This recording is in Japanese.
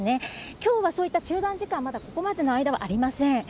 きょうはそういった中断時間、まだここまでの間はありません。